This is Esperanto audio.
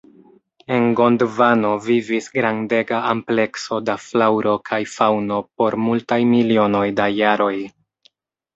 En Gondvano vivis grandega amplekso da flaŭro kaj faŭno por multaj milionoj da jaroj.